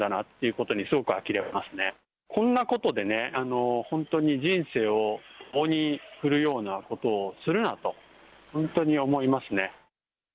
こんなことで本当に、人生を棒に振るようなことをするなと、本当に思いますね。